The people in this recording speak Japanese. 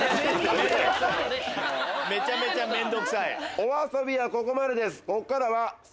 お遊びはここまでです。